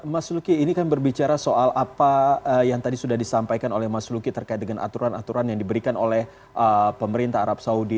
mas luki ini kan berbicara soal apa yang tadi sudah disampaikan oleh mas luki terkait dengan aturan aturan yang diberikan oleh pemerintah arab saudi